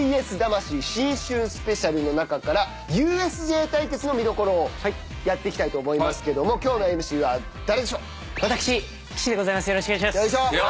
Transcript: スペシャルの中からＵＳＪ対決の見どころをやっていきたいと思いますけども今日のＭＣは誰でしょう？